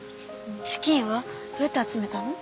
資金はどうやって集めたの？